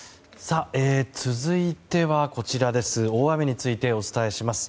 続いては大雨についてお伝えします。